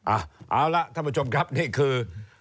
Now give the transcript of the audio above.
เอาละท่านผู้ชมครับนี่คือ